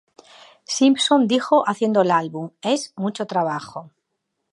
Simpson dijo haciendo el álbum: "Es mucho trabajo.